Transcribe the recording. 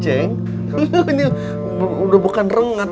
ini udah bukan rengat